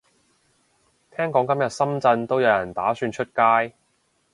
聽講今日深圳都有人打算出街